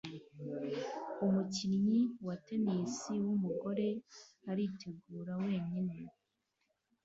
Umukinnyi wa tennis wumugore aritegura wenyine